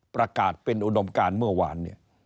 ประกาศเป็นอุดมการเมื่อวานเนี่ย